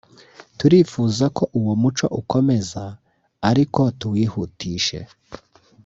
turifuza ko uwo muco ukomeza ariko tuwihutishe